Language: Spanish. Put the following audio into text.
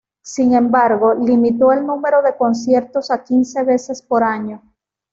Sin embargo, limitó el número de conciertos a quince veces por año.